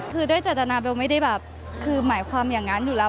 คือด้วยเจตนาเบลไม่ได้แบบคือหมายความอย่างนั้นอยู่แล้ว